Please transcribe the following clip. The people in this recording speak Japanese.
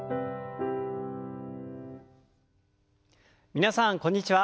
皆さんこんにちは。